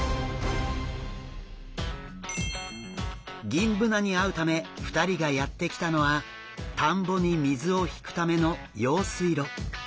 ギンブナに会うため２人がやって来たのは田んぼに水を引くための用水路。